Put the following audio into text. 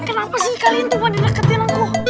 eh kenapa sih kalian cuma dideketin aku